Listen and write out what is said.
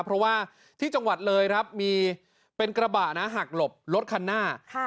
เพราะว่าที่จังหวัดเลยครับมีเป็นกระบะนะหักหลบรถคันหน้า